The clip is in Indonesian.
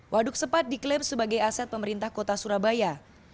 waduk sepat diklaim sebagai aset pemerintah kota surabaya